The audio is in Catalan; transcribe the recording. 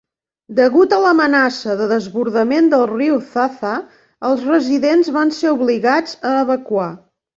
Degut a l'amenaça de desbordament del riu Zaza, els residents van ser obligats a evacuar.